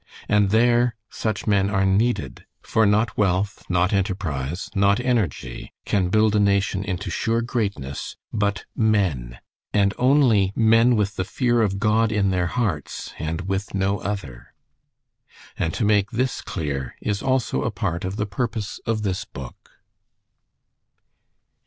And there such men are needed. For not wealth, not enterprise, not energy, can build a nation into sure greatness, but men, and only men with the fear of God in their hearts, and with no other. And to make this clear is also a part of the purpose of this book.